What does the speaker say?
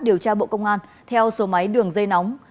điều tra bộ công an theo số máy đường dây nóng